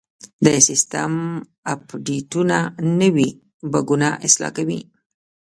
د سیسټم اپډیټونه نوي بګونه اصلاح کوي.